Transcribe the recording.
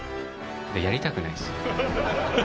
やりたくないです。